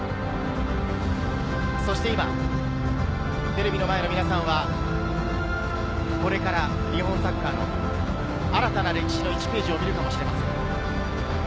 そして今、テレビの前の皆さんは、これから日本サッカーの新たな歴史の１ページを見るかもしれません。